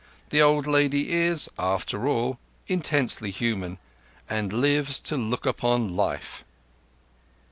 The old lady is, after all, intensely human, and lives to look upon life.